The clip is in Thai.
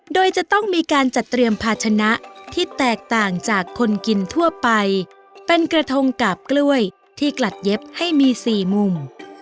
โดยจะต้องมีการจัดเตรียมภาชนะที่แตกต่างจากคนกินทั่วไปเป็นกระทงกาบกล้วยที่กลัดเย็บให้มี๔มุม